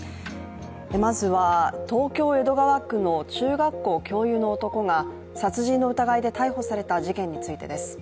まずは、東京・江戸川区の中学校教諭の男が殺人の疑いで逮捕された事件についてです。